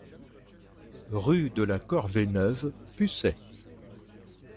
Rue de la Corvée Neuve, Pusey